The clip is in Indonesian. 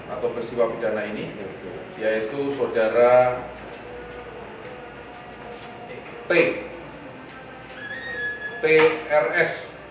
atau peristiwa pidana ini yaitu sodara trs